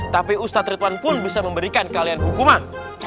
tapi ustadz ridwan pun bisa memberikan keahlian hukuman